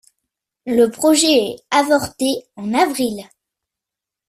Le projet est avorté en avril.